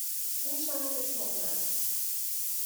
این شرح شغل است.